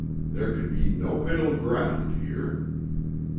There can be no middle ground here.